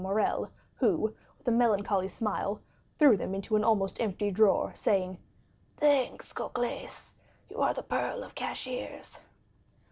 Morrel, who, with a melancholy smile, threw them into an almost empty drawer, saying: "Thanks, Cocles; you are the pearl of cashiers."